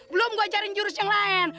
belum gue ajarin jurus yang lain